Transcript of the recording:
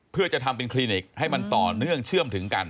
เพื่อจะทำเป็นคลินิกให้มันต่อเนื่องเชื่อมถึงกัน